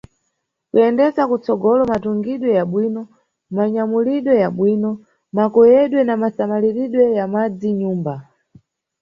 Kuyendesa kutsogolo matungidwe yabwino, manyamulidwe yabwino, makoyedwe na masamaliridwe ya madzi nʼnyumba.